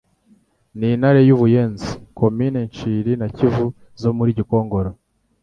N'intara y'u Buyenzi (Komini Nshiri na Kivu zo muri Gikongoro).